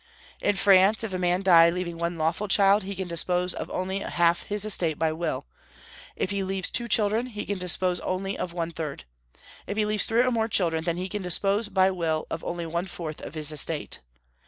In France, if a man die leaving one lawful child, he can dispose of only half his estate by will; if he leaves two children, he can dispose only of one third; if he leaves three or more children, then he can dispose by will of only one fourth of his estate.